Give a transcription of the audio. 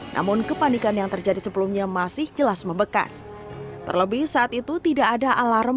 namun kepanikan yang terjadi sebelumnya masih jelas membekas terlebih saat itu tidak ada alarm